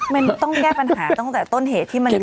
มันต้องแก้ปัญหาตั้งแต่ต้นเหตุที่มัน